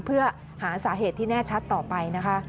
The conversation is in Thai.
เพื่อหาสาเหตุที่แน่ชัดต่อไปนะคะ